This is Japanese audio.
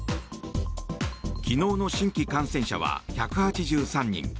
昨日の新規感染者は１８３人。